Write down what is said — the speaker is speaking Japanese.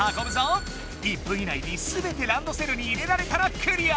１分以内にすべてランドセルに入れられたらクリア。